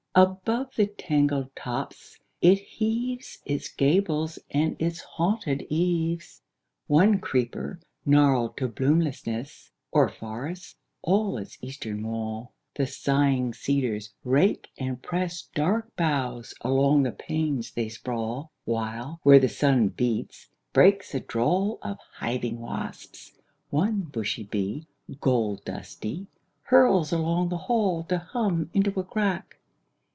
Above the tangled tops it heaves Its gables and its haunted eaves. 2. One creeper, gnarled to bloomlessness, O'er forests all its eastern wall; The sighing cedars rake and press Dark boughs along the panes they sprawl; While, where the sun beats, breaks a drawl Of hiving wasps; one bushy bee, Gold dusty, hurls along the hall To hum into a crack.